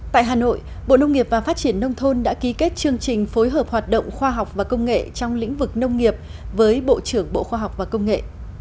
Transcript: tại hà nội bộ nông nghiệp và phát triển nông thôn đã ký kết chương trình phối hợp hoạt động khoa học và công nghệ trong lĩnh vực nông nghiệp với bộ trưởng bộ khoa học và công nghệ